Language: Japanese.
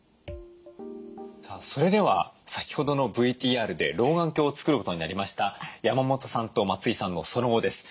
さあそれでは先ほどのＶＴＲで老眼鏡を作ることになりました山本さんと松井さんのその後です。